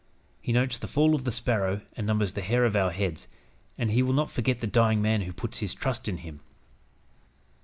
He notes the fall of the sparrow, and numbers the hairs of our heads, and He will not forget the dying man who puts his trust in Him.